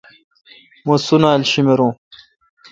مہ سنالا شیمرون۔